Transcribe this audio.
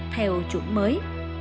theo chuẩn mới